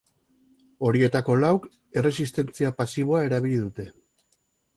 Horietako lauk erresistentzia pasiboa erabili dute.